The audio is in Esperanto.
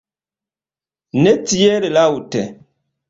Ne tiel laŭte!